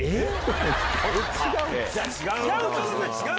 違う？